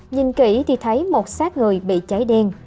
nhìn kỹ thì thấy một sát người bị cháy đen